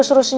ya udah deh